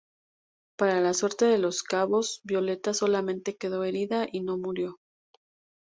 Para la suerte de los cabos, Violeta solamente quedo herida y no murió.